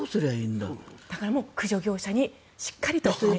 だから、駆除業者にしっかりと。